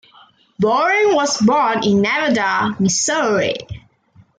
Bowring was born in Nevada, Missouri.